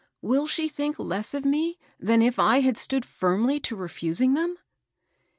— will she think less of me than if I had stood firmly to re fusing them?"